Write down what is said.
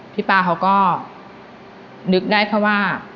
พี่ป๊าเขาก็นึกได้เพราะว่า